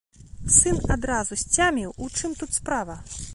Сын адразу сцяміў, у чым тут справа.